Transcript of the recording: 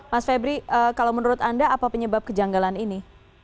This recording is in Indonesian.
mas febri kalau menurut anda apa penyebab kejanggalan ini